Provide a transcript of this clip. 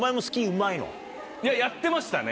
やってましたね。